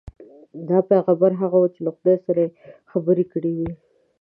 دا پیغمبر هغه وو چې له خدای سره یې خبرې کړې وې.